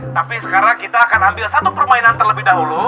tapi sekarang kita akan ambil satu permainan terlebih dahulu